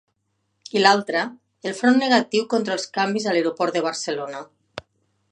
I l’altra, el front negatiu contra els canvis a l’aeroport de Barcelona.